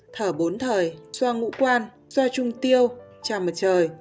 thở bốn thời xoa ngũ quan xoa trung tiêu chào mặt trời